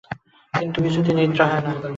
কিন্তু কিছুতেই নিদ্রা হয় না।